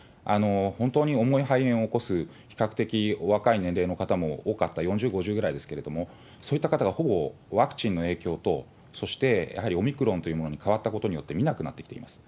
本当に重い肺炎を起こす、比較的お若い年齢の方も多かった、４０、５０ぐらいですけれども、そういった方はほぼワクチンの影響と、そしてやはりオミクロンというものに変わったことによって、診なくなってきています。